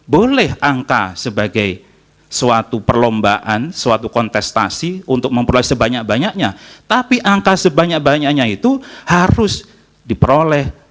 boleh angka sebagai suatu perlombaan suatu kontestasi untuk memperoleh sebanyak banyaknya tapi angka sebanyak banyaknya itu harus diperoleh